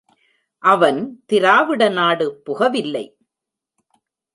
அவன் திராவிடநாடு புகவில்லை!